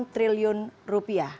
delapan triliun rupiah